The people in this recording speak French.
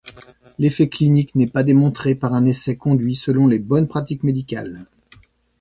L'effet clinique n'est pas démontré par un essai conduit selon les bonnes pratiques médicales.